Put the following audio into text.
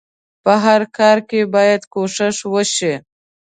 په هر کار کې بايد کوښښ وشئ.